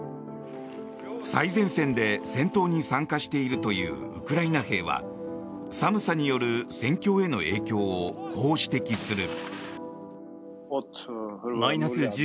最前線で戦闘に参加しているというウクライナ兵は寒さによる戦況への影響をこう指摘する。